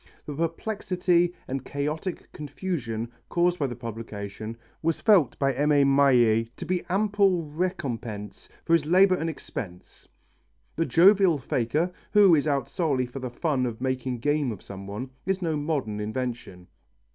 The perplexity and chaotic confusion caused by the publication was felt by M. A. Maillet to be ample recompense for his labour and expense. The jovial faker, who is out solely for the fun of making game of some one, is no modern invention.